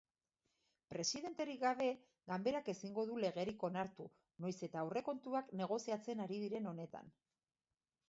Presidenterik gabe, ganberak ezingo du legerik onartu, noiz eta aurrekontuak negoziatzen ari diren honetan.